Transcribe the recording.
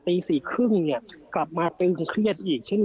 ตี๔๓๐เนี่ยกลับมาเตือดเครียดอีก๑๑๐๐๐๓๐๐๕๐